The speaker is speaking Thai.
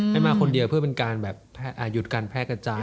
ให้มาคนเดียวเพื่อเป็นการแบบหยุดการแพร่กระจาย